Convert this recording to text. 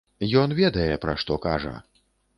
Ён ведае, пра што кажа.